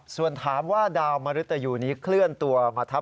ส่วนถามว่าดาวมริตยูนี้เคลื่อนตัวมาทับ